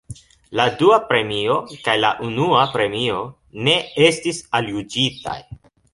La dua premio kaj la unua premio ne estis aljuĝitaj.